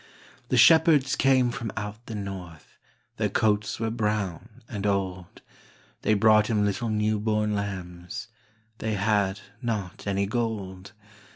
The shepherds came from out the north, Their coats were brown and old, They brought Him little new born lambs They had not any gold.